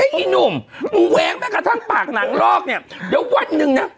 อีหนุ่มมึงแว้งแม้กระทั่งปากหนังลอกเนี่ยเดี๋ยววันหนึ่งนะ